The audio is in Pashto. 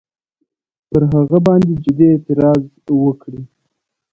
پر هغه باندي جدي اعتراض وکړي.